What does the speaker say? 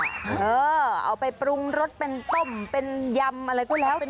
เอาไปปรุงรสเป็นต้มเป็นยำอะไรก็แล้วแต่